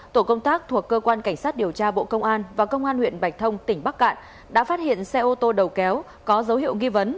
tổ công tác thuộc cơ quan cảnh sát điều tra bộ công an và công an huyện bạch thông tỉnh bắc cạn đã phát hiện xe ô tô đầu kéo có dấu hiệu nghi vấn